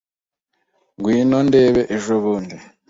Ngwino ndebe ejobundi.